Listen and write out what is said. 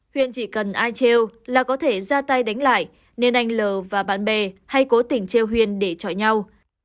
huyên chỉ cần ai treo là có thể ra tay đánh lại nên anh l và bạn bè hay cố tỉnh treo huyên để chọi nhau